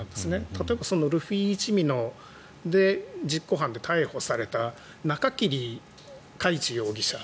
例えばルフィ一味で実行犯で逮捕されたナカキリ容疑者。